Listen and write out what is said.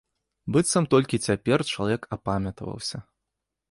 Быццам толькі цяпер чалавек апамятаваўся.